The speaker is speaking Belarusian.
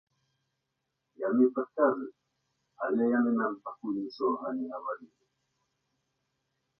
Яны падкажуць, але яны нам пакуль нічога не гаварылі.